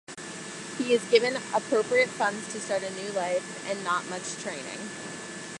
He is given appropriate funds to start a new life and not much training.